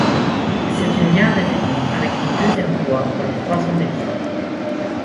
C'est une gare d'évitement avec une deuxième voie pour le croisement des trains.